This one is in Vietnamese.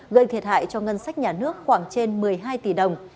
gây thiệt hại cho ngân sách nhà nước khoảng trên một mươi hai tỷ đồng